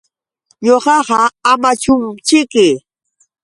Ñuqapa Amachumćhiki.